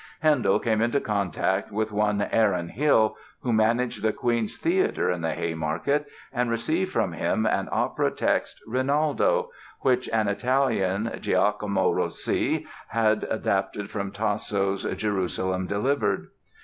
Handel came into contact with one Aaron Hill, who managed the Queen's Theatre in the Haymarket, and received from him an opera text, "Rinaldo", which an Italian, Giacomo Rossi, had adapted from Tasso's "Jerusalem Delivered."